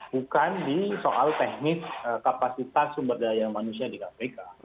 bukan di soal teknis kapasitas sumber daya manusia di kpk